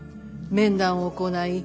面談を行い